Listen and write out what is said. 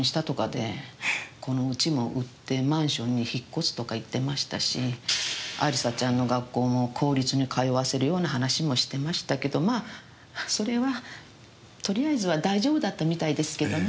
この家も売ってマンションに引っ越すとか言ってましたし亜里沙ちゃんの学校も公立に通わせるような話もしてましたけどまあそれはとりあえずは大丈夫だったみたいですけどね。